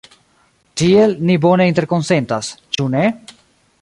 Tiel, ni bone interkonsentas, ĉu ne?